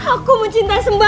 aku mencinta sembara